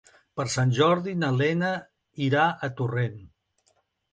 Per Sant Jordi na Lena irà a Torrent.